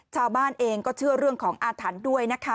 ชาวบ้านเองก็เชื่อเรื่องของอาถรรพ์ด้วยนะคะ